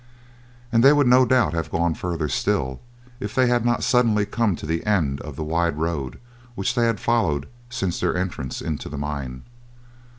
And they would no doubt have gone farther still, if they had not suddenly come to the end of the wide road which they had followed since their entrance into the mine.